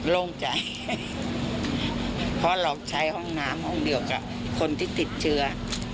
โล่งใจเพราะเราใช้ห้องน้ำห้องเดียวกับคนที่ติดเชื้อ